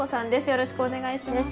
よろしくお願いします。